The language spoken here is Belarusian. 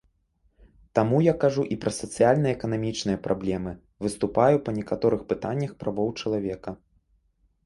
Таму я кажу і пра сацыяльна-эканамічныя праблемы, выступаю па некаторых пытаннях правоў чалавека.